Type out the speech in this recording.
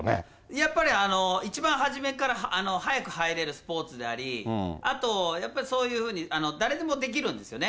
やっぱり一番初めっから、早く入れるスポーツであり、あとやっぱりそういうふうに、誰でもできるんですよね。